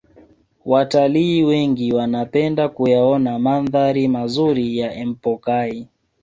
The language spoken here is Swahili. Watalii wengi wanapenda kuyaona mandhari mazuri ya empokai